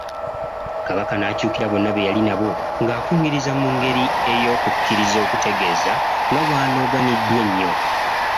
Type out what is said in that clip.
Kabaka n'akyukira bonna be yali nabo ng'akungiriza mu ngeri ey'okukkiriza okutegeeza nga bw'anogaaniddwa ennyo.